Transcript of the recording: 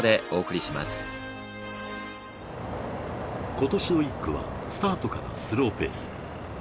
今年の１区はスタートからスローペース。